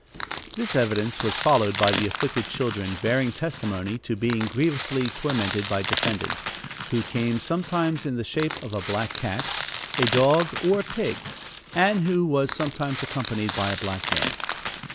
This evidence was followed by the afflicted children bearing testimony to being grievously tormented by defendant, who came sometimes in the shape of a black cat, a dog, or a pig, and who was sometimes accompanied by a black man.